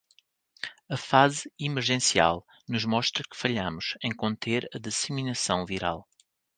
A fase emergencial nos mostra que falhamos em conter a disseminação viral